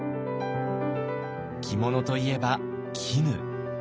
着物といえば絹。